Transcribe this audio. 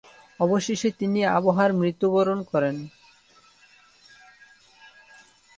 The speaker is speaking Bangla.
অবশেষে তিনি আবওয়ায় মৃত্যুবরণ করেন।